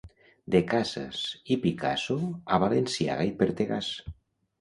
De Casas i Picasso a Balenciaga i Pertegaz.